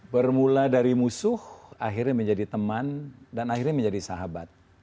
bermula dari musuh akhirnya menjadi teman dan akhirnya menjadi sahabat